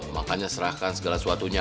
makanya serahkan segala suatunya